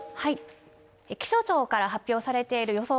気象庁から発表されている予想